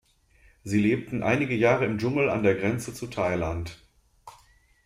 Sie lebten einige Jahre im Dschungel an der Grenze zu Thailand.